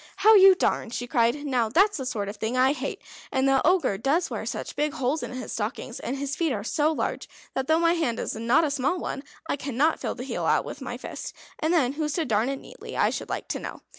"How you darn!" she cried. "Now that's a sort of thing I hate. And the Ogre does wear such big holes in his stockings, and his feet are so large, that, though my hand is not a small one, I cannot fill out the heel with my fist, and then who's to darn it neatly I should like to know?"